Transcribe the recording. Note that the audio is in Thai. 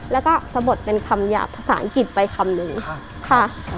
แล้วก็สะบดเป็นคำหยาบภาษาอังกฤษไปคำนึงค่ะ